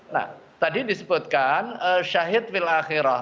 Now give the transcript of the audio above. nah tadi disebutkan syahid wilakhirah